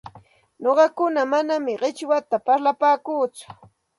Nuqaku manam qichwata parlapaakuuchu,